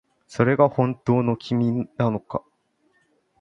それが本当の君なのか